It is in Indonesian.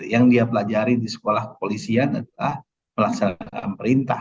yang dia pelajari di sekolah kepolisian adalah melaksanakan perintah